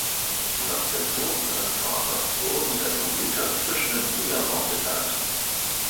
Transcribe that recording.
Nach dem Tod seines Vaters wurden dessen Güter zwischen den Brüdern aufgeteilt.